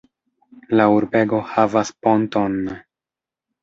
La urbego havas ponton.